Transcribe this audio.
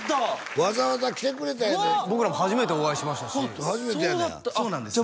わざわざ来てくれたんやで僕らも初めてお会いしましたし初めてやねんそうなんですじゃあ